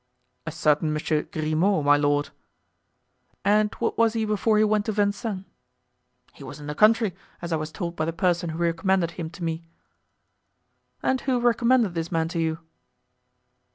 "A certain Monsieur Grimaud, my lord." "And what was he before he went to Vincennes?" "He was in the country, as I was told by the person who recommended him to me." "And who recommended this man to you?"